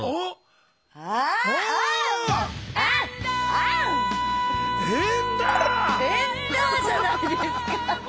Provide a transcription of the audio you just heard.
あん！「エンダァ」じゃないですか。